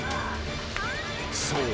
［そう。